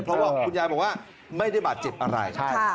เพราะว่าคุณยายบอกว่าไม่ได้บาดเจ็บอะไร